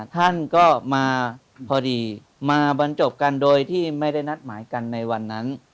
ท่านก็มาพอดีมาบรรจบกันโดยที่ไม่ได้นัดหมายกันในวันนั้น